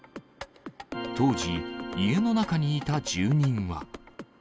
当時、家の中にいた住人は。